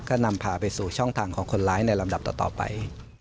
ก็นำพาไปสู่ช่องทางของคนร้ายในลำดับต่อไป